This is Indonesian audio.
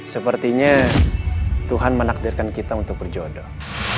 sepertinya tuhan menakdirkan kita untuk berjodoh